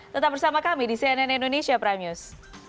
tetap bersama kami di cnn indonesia prime news